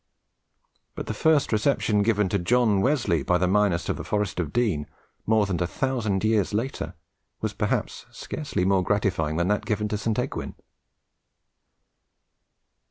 But the first reception given to John Wesley by the miners of the Forest of Dean, more than a thousand years later, was perhaps scarcely more gratifying than that given to St. Egwin.